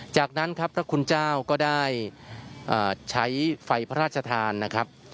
จากนั้นครับพระคุณเจ้าก็ได้ใช้ไฟพระราชทานนะครับ